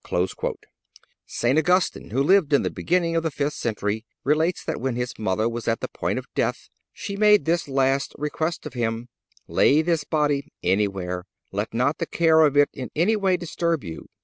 (291) St. Augustine, who lived in the beginning of the fifth century, relates that when his mother was at the point of death she made this last request of him: "Lay this body anywhere; let not the care of it in anyway disturb you.